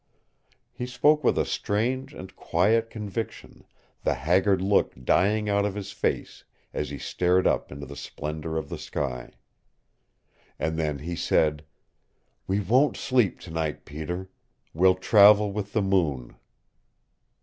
He spoke with a strange and quiet conviction, the haggard look dying out of his face as he stared up into the splendor of the sky. And then he said. "We won't sleep tonight, Peter. We'll travel with the moon."